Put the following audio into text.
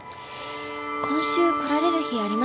今週来られる日ありますか？